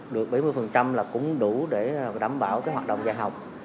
được bảy mươi là cũng đủ để đảm bảo cái hoạt động dạy học